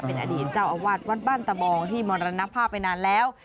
เป็นอดีตเจ้าอาวาสวัดบ้านตะบองที่มรณภาพไปนานแล้ว